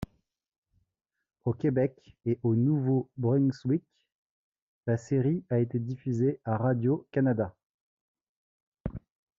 Au Québec et au Nouveau-Brunswick, la série a été diffusée à Radio-Canada.